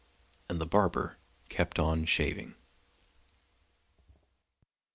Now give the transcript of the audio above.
And the barber kept on shaving.